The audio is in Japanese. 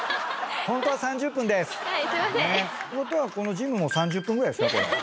てことはこのジムも３０分ぐらいですか？